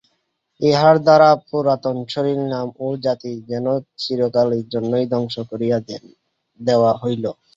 ইহার দ্বারা পুরাতন শরীর নাম ও জাতি যেন চিরকালের জন্য ধ্বংস করিয়া দেওয়া হইল।